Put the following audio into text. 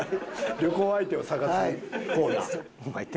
旅行相手を探すコーナー。